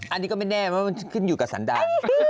อันนี้ก็ไม่แน่เพราะมันขึ้นอยู่กับสันดาล